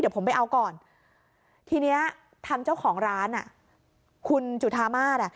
เดี๋ยวผมไปเอาก่อนทีเนี้ยทางเจ้าของร้านอ่ะคุณจุธามาศอ่ะ